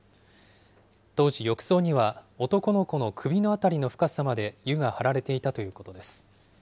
当時、浴槽には男の子の首の辺りの深さまで湯が張られていたということです。